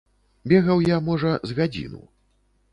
Бегаў я, можа, з гадзіну.